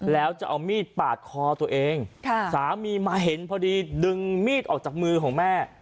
แล้วจะเอามีดปาดคอตัวเองสามีมาเห็นพอดีดึงมีดออกจากมือของแม่